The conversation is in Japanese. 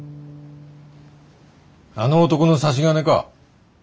あの男の差し金か？